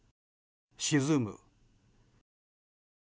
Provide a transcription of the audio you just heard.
沈む。